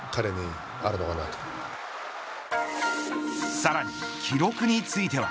さらに記録については。